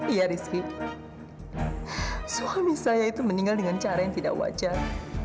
iya rizky suami saya itu meninggal dengan cara yang tidak wajar